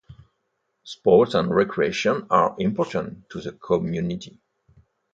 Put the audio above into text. Sports and recreation are important to the community.